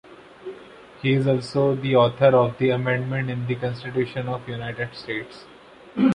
He is also the author of the amendment in the Constitution of the United States.